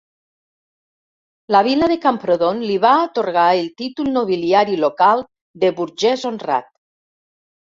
La Vila de Camprodon li va atorgar el títol nobiliari local de Burgès Honrat.